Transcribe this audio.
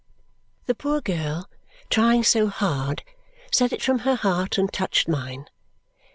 The poor girl, trying so hard, said it from her heart, and touched mine.